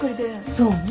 そうね。